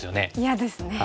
嫌ですね。